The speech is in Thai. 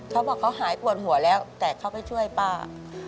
เขาบอกเขาหายปวดหัวแล้วแต่เขาไปช่วยป้า